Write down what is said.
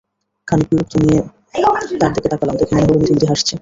খানিক বিরক্তি নিয়ে তার দিকে তাকালাম, দেখে মনে হলো মিটিমিটি হাসছে।